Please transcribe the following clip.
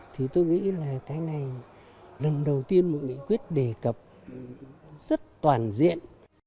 thì tôi nghĩ là cái này lần đầu tiên một nghị quyết đề cập rất toàn diện